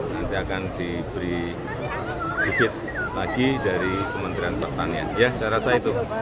nanti akan diberi debit lagi dari kementerian pu